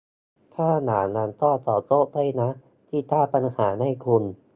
ถ้าอย่างนั้นก็ขอโทษด้วยนะที่สร้างปัญหาให้คุณ